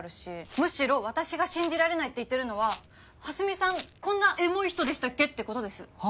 むしろ私が信じられないって言ってるのは蓮見さんこんなエモい人でしたっけって事です。は？